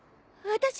私。